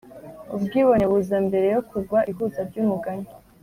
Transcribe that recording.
ubwibone buza mbere yo kugwa ihuza ryumugani